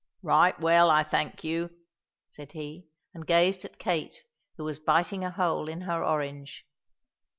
"Right well, I thank you," said he, and gazed at Kate, who was biting a hole in her orange.